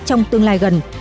trong tương lai gần